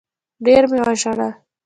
ډېر مي وژړل